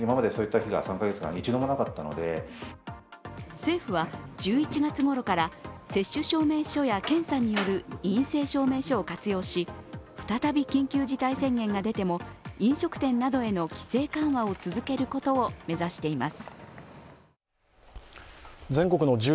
政府は１１月ごろから接種証明書や検査による陰性証明書を活用し再び緊急事態宣言が出ても飲食店などへの規制緩和を続けることを目指しています。